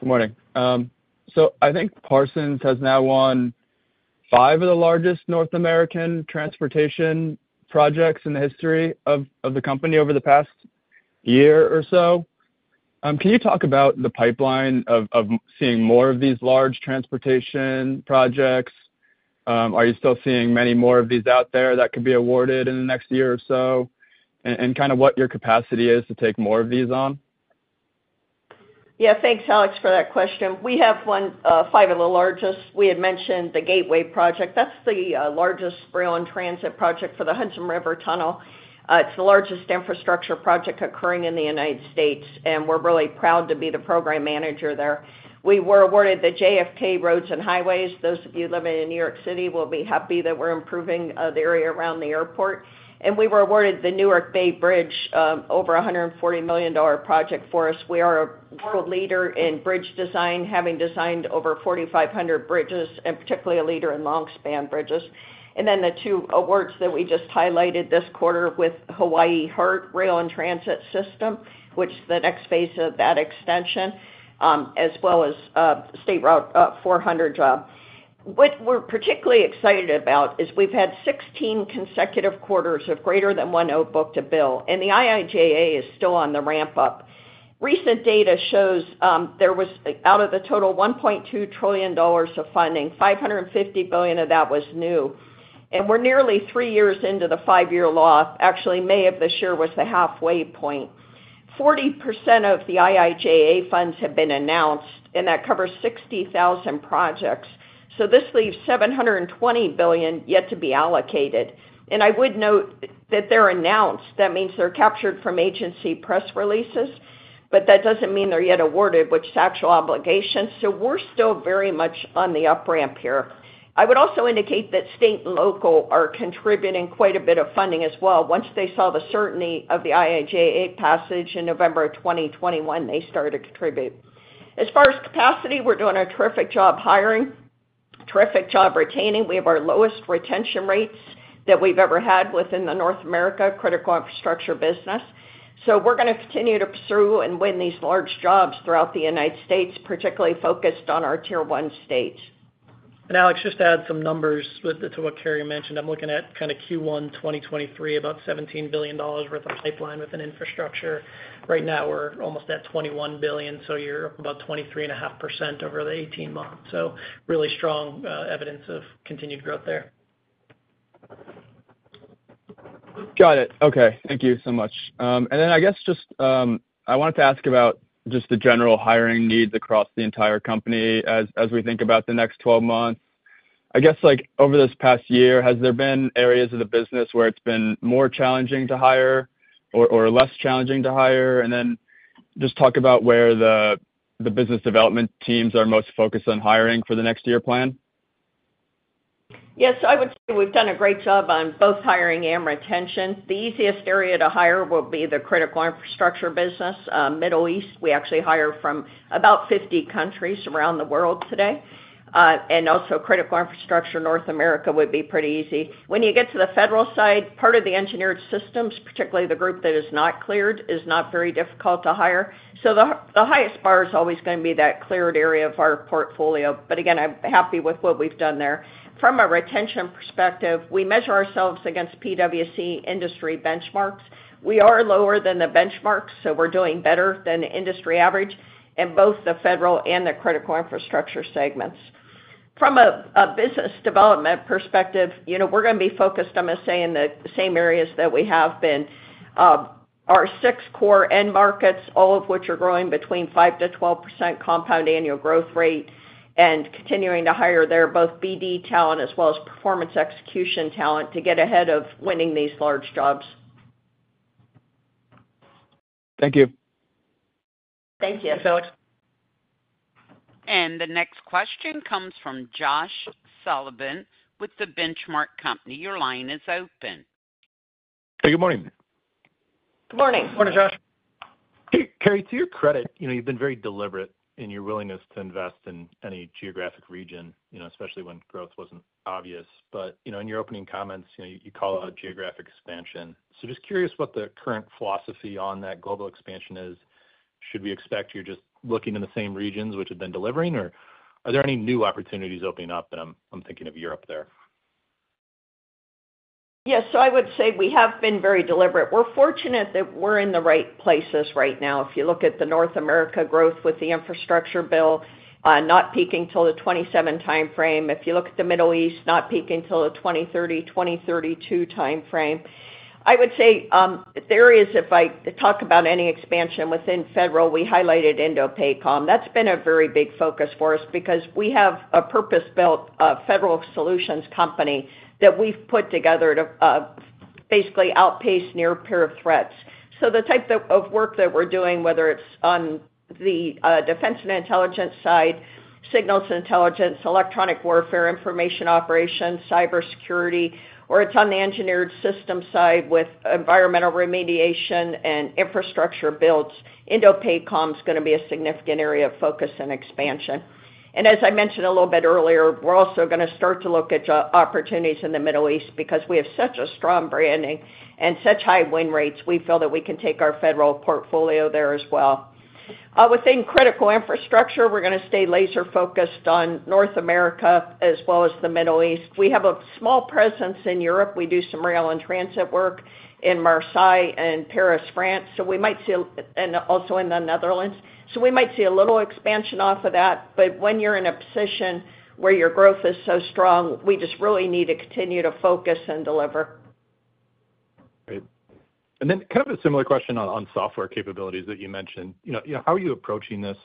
Good morning. I think Parsons has now won five of the largest North American transportation projects in the history of the company over the past year or so. Can you talk about the pipeline of seeing more of these large transportation projects? Are you still seeing many more of these out there that could be awarded in the next year or so? And kind of what your capacity is to take more of these on? Yeah. Thanks, Alex, for that question. We have won five of the largest. We had mentioned the Gateway project. That's the largest rail and transit project for the Hudson River Tunnel. It's the largest infrastructure project occurring in the United States. And we're really proud to be the program manager there. We were awarded the JFK Roads and Highways. Those of you living in New York City will be happy that we're improving the area around the airport. We were awarded the Newark Bay Bridge, over $140 million project for us. We are a world leader in bridge design, having designed over 4,500 bridges, and particularly a leader in long-span bridges. Then the two awards that we just highlighted this quarter with Hawaii HART Rail and Transit System, which is the next phase of that extension, as well as State Route 400 job. What we're particularly excited about is we've had 16 consecutive quarters of greater than one book-to-bill. The IIJA is still on the ramp up. Recent data shows there was, out of the total $1.2 trillion of funding, $550 billion of that was new. We're nearly three years into the five-year clock. Actually, May of this year was the halfway point. 40% of the IIJA funds have been announced, and that covers 60,000 projects. So this leaves $720 billion yet to be allocated. And I would note that they're announced. That means they're captured from agency press releases, but that doesn't mean they're yet awarded, which is actual obligations. So we're still very much on the upramp here. I would also indicate that state and local are contributing quite a bit of funding as well. Once they saw the certainty of the IIJA passage in November of 2021, they started to contribute. As far as capacity, we're doing a terrific job hiring, terrific job retaining. We have our lowest retention rates that we've ever had within the North America critical infrastructure business. So we're going to continue to pursue and win these large jobs throughout the United States, particularly focused on our tier one states. And Alex, just to add some numbers to what Carey mentioned, I'm looking at kind of Q1 2023, about $17 billion worth of pipeline within infrastructure. Right now, we're almost at $21 billion. So you're up about 23.5% over the 18 months. So really strong evidence of continued growth there. Got it. Okay. Thank you so much. And then I guess just I wanted to ask about just the general hiring needs across the entire company as we think about the next 12 months. I guess over this past year, has there been areas of the business where it's been more challenging to hire or less challenging to hire? And then just talk about where the business development teams are most focused on hiring for the next year plan. Yes. I would say we've done a great job on both hiring and retention. The easiest area to hire will be the critical infrastructure business, Middle East. We actually hire from about 50 countries around the world today, and also critical infrastructure North America would be pretty easy. When you get to the federal side, part of the engineered systems, particularly the group that is not cleared, is not very difficult to hire, so the highest bar is always going to be that cleared area of our portfolio. But again, I'm happy with what we've done there. From a retention perspective, we measure ourselves against PwC industry benchmarks. We are lower than the benchmarks, so we're doing better than industry average in both the federal and the critical infrastructure segments. From a business development perspective, we're going to be focused on, say, in the same areas that we have been, our six core end markets, all of which are growing between 5%-12% compound annual growth rate and continuing to hire their both BD talent as well as performance execution talent to get ahead of winning these large jobs. Thank you. Thank you. Thanks, Alex. And the next question comes from Josh Sullivan with The Benchmark Company. Your line is open. Hey, good morning. Good morning. Morning, Josh. Carey, to your credit, you've been very deliberate in your willingness to invest in any geographic region, especially when growth wasn't obvious. But in your opening comments, you call out geographic expansion. So just curious what the current philosophy on that global expansion is. Should we expect you're just looking in the same regions which have been delivering, or are there any new opportunities opening up? And I'm thinking of Europe there. Yes. So I would say we have been very deliberate. We're fortunate that we're in the right places right now. If you look at the North America growth with the infrastructure bill, not peaking till the 2027 timeframe. If you look at the Middle East, not peaking till the 2030, 2032 timeframe. I would say there is, if I talk about any expansion within federal, we highlighted Indo-Pacific. That's been a very big focus for us because we have a purpose-built federal solutions company that we've put together to basically outpace near-peer threats. The type of work that we're doing, whether it's on the defense and intelligence side, signals intelligence, electronic warfare, information operations, cybersecurity, or it's on the engineered system side with environmental remediation and infrastructure builds, Indo-Pacific is going to be a significant area of focus and expansion. As I mentioned a little bit earlier, we're also going to start to look at opportunities in the Middle East because we have such a strong branding and such high win rates. We feel that we can take our federal portfolio there as well. Within critical infrastructure, we're going to stay laser-focused on North America as well as the Middle East. We have a small presence in Europe. We do some rail and transit work in Marseille and Paris, France, and also in the Netherlands, so we might see a little expansion off of that. But when you're in a position where your growth is so strong, we just really need to continue to focus and deliver. Great. And then kind of a similar question on software capabilities that you mentioned. How are you approaching this?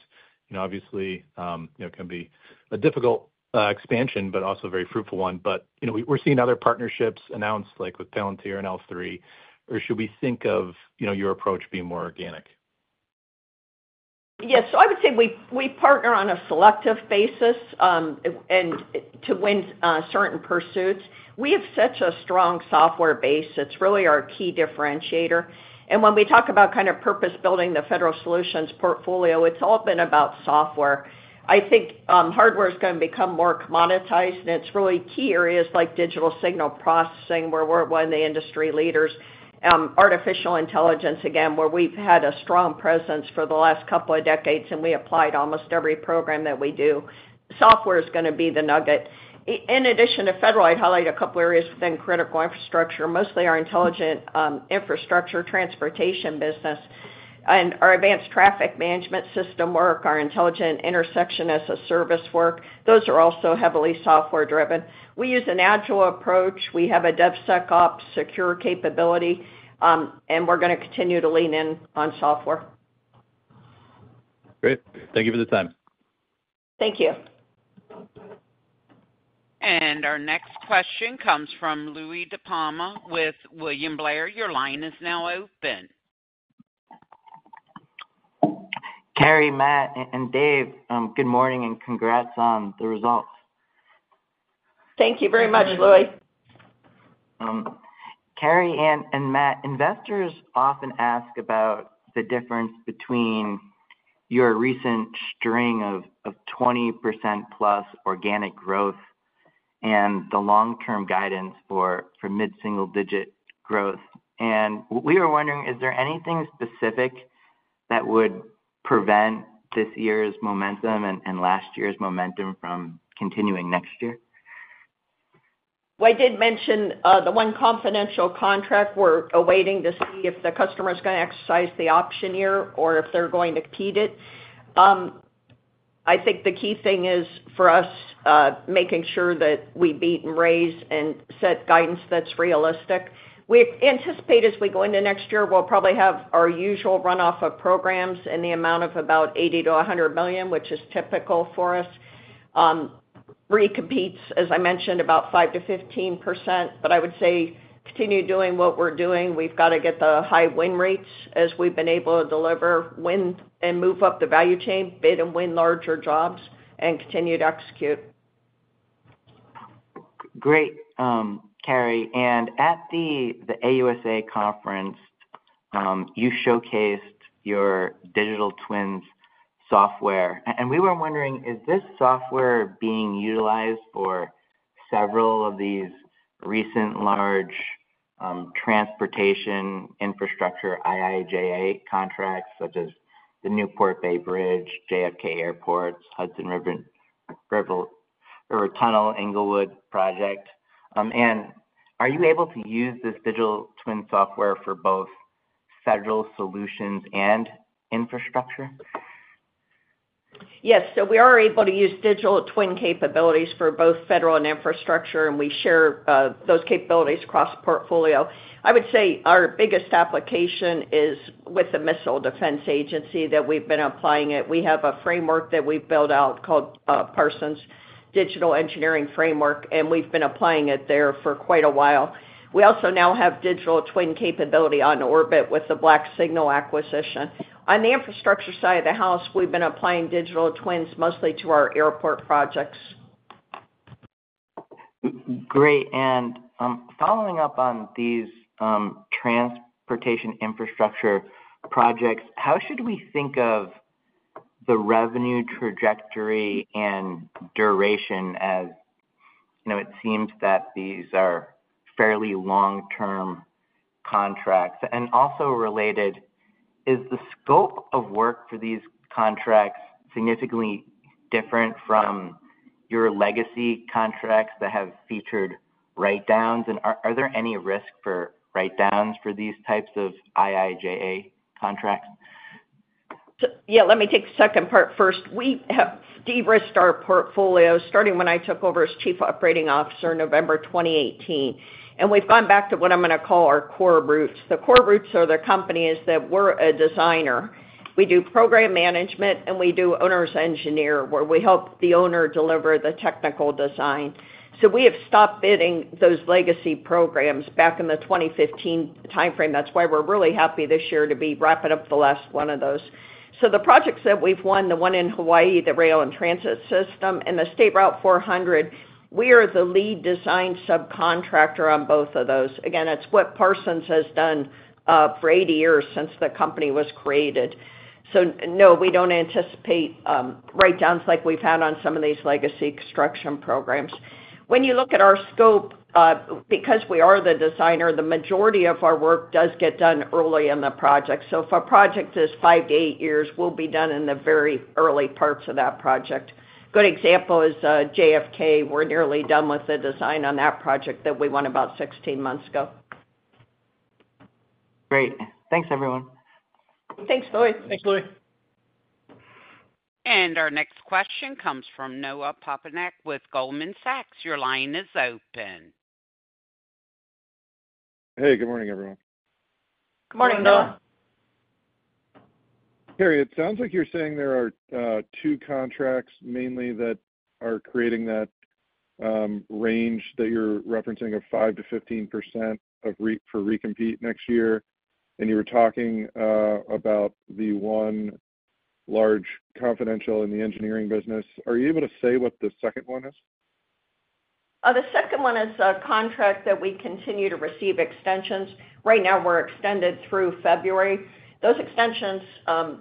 Obviously, it can be a difficult expansion, but also a very fruitful one. But we're seeing other partnerships announced like with Palantir and L3. Or should we think of your approach being more organic? Yes. So I would say we partner on a selective basis and to win certain pursuits. We have such a strong software base. It's really our key differentiator. And when we talk about kind of purpose-building the federal solutions portfolio, it's all been about software. I think hardware is going to become more commoditized, and it's really key areas like digital signal processing, where we're one of the industry leaders. Artificial intelligence, again, where we've had a strong presence for the last couple of decades, and we applied almost every program that we do. Software is going to be the nugget. In addition to federal, I'd highlight a couple of areas within critical infrastructure, mostly our intelligent infrastructure transportation business and our advanced traffic management system work, our intelligent intersection as a service work. Those are also heavily software-driven. We use an agile approach. We have a DevSecOps secure capability, and we're going to continue to lean in on software. Great. Thank you for the time. Thank you. And our next question comes from Louie DiPalma with William Blair. Your line is now open. Carey, Matt, and Dave, good morning and congrats on the results. Thank you very much, Louie. Carey and Matt, investors often ask about the difference between your recent string of 20%+ organic growth and the long-term guidance for mid-single-digit growth. We were wondering, is there anything specific that would prevent this year's momentum and last year's momentum from continuing next year? I did mention the one confidential contract we're awaiting to see if the customer is going to exercise the option year or if they're going to keep it. I think the key thing is for us making sure that we beat and raise and set guidance that's realistic. We anticipate as we go into next year, we'll probably have our usual runoff of programs in the amount of about $80 million-$100 million, which is typical for us. Recompetes, as I mentioned, about 5%-15%, but I would say continue doing what we're doing. We've got to get the high win rates as we've been able to deliver, win and move up the value chain, bid and win larger jobs, and continue to execute. Great, Carey. At the AUSA conference, you showcased your digital twins software. We were wondering, is this software being utilized for several of these recent large transportation infrastructure IIJA contracts such as the Newark Bay Bridge, JFK Airport, Hudson River Tunnel, Inglewood project? Are you able to use this digital twin software for both federal solutions and infrastructure? Yes. We are able to use digital twin capabilities for both federal and infrastructure, and we share those capabilities across portfolio. I would say our biggest application is with the Missile Defense Agency that we've been applying it. We have a framework that we've built out called Parsons Digital Engineering Framework, and we've been applying it there for quite a while. We also now have digital twin capability on orbit with the BlackSignal acquisition. On the infrastructure side of the house, we've been applying digital twins mostly to our airport projects. Great. And following up on these transportation infrastructure projects, how should we think of the revenue trajectory and duration as it seems that these are fairly long-term contracts? And also related, is the scope of work for these contracts significantly different from your legacy contracts that have featured write-downs? And are there any risks for write-downs for these types of IIJA contracts? Yeah. Let me take the second part first. We have de-risked our portfolio starting when I took over as Chief Operating Officer in November 2018. And we've gone back to what I'm going to call our core roots. The core roots are the companies that we're a designer. We do program management, and we do owner's engineer where we help the owner deliver the technical design. So we have stopped bidding those legacy programs back in the 2015 timeframe. That's why we're really happy this year to be wrapping up the last one of those. So the projects that we've won, the one in Hawaii, the rail and transit system, and the State Route 400, we are the lead design subcontractor on both of those. Again, that's what Parsons has done for 80 years since the company was created. So no, we don't anticipate write-downs like we've had on some of these legacy construction programs. When you look at our scope, because we are the designer, the majority of our work does get done early in the project. So if a project is five to eight years, we'll be done in the very early parts of that project. Good example is JFK. We're nearly done with the design on that project that we won about 16 months ago. Great. Thanks, everyone. Thanks, Louie. Thanks, Louie. And our next question comes from Noah Poponak with Goldman Sachs. Your line is open. Hey, good morning, everyone. Good morning, Noah. Carey, it sounds like you're saying there are two contracts mainly that are creating that range that you're referencing of 5%-15% for recompete next year. And you were talking about the one large confidential in the engineering business. Are you able to say what the second one is? The second one is a contract that we continue to receive extensions. Right now, we're extended through February. Those extensions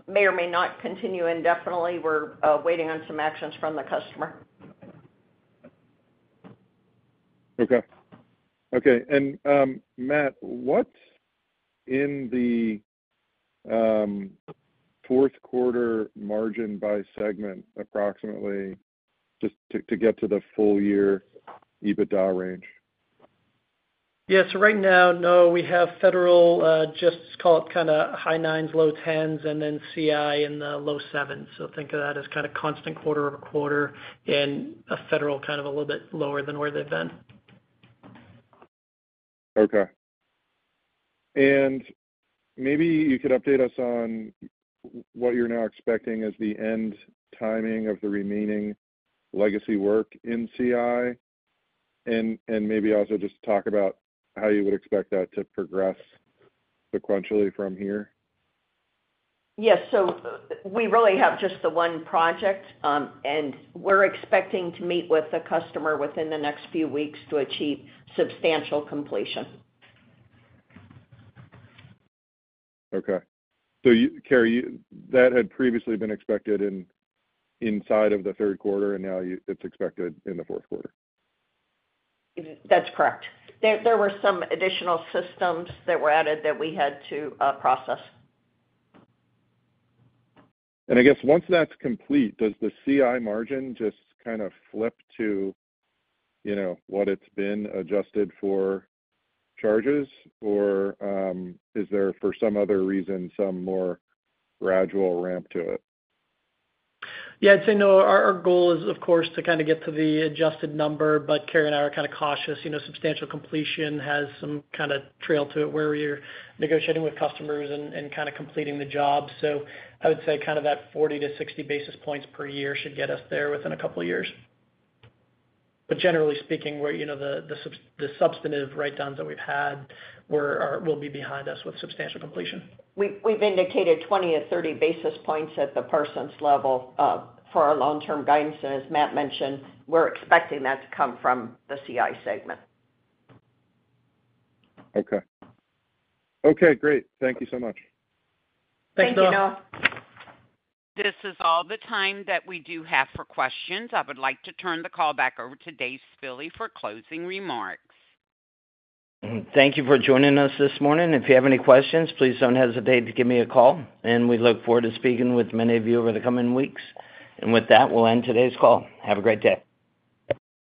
may or may not continue indefinitely. We're waiting on some actions from the customer. Okay. Okay. And Matt, what's in the fourth quarter margin by segment approximately just to get to the full-year EBITDA range? Yeah. So right now, no, we have federal, just call it kind of high nines, low tens, and then CI in the low sevens. So think of that as kind of constant quarter-over-quarter and a federal kind of a little bit lower than where they've been. Okay. And maybe you could update us on what you're now expecting as the end timing of the remaining legacy work in CI and maybe also just talk about how you would expect that to progress sequentially from here. Yes. So we really have just the one project, and we're expecting to meet with the customer within the next few weeks to achieve substantial completion. Okay. So Carey, that had previously been expected inside of the third quarter, and now it's expected in the fourth quarter. That's correct. There were some additional systems that were added that we had to process. And I guess once that's complete, does the CI margin just kind of flip to what it's been adjusted for charges, or is there for some other reason some more gradual ramp to it? Yeah. I'd say no. Our goal is, of course, to kind of get to the adjusted number, but Carey and I are kind of cautious. Substantial completion has some kind of trail to it where we're negotiating with customers and kind of completing the job. So I would say kind of that 40-60 basis points per year should get us there within a couple of years. But generally speaking, the substantive write-downs that we've had will be behind us with substantial completion. We've indicated 20-30 basis points at the Parsons level for our long-term guidance. And as Matt mentioned, we're expecting that to come from the CI segment. Okay. Okay. Great. Thank you so much. Thanks, Noah. Thank you, Noah. This is all the time that we do have for questions. I would like to turn the call back over to Dave Spille for closing remarks. Thank you for joining us this morning. If you have any questions, please don't hesitate to give me a call. And we look forward to speaking with many of you over the coming weeks. And with that, we'll end today's call. Have a great day.